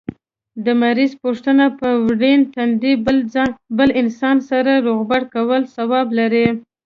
د مریض پوښتنه په ورين تندي بل انسان سره روغبړ کول ثواب لري